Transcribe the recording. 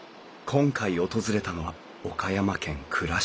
今回訪れたのは岡山県倉敷市。